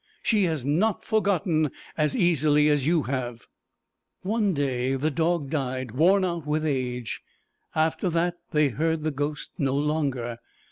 She has not forgotten as easily as you have.' One day the dog died, worn out with age. After that they heard the ghost no longer.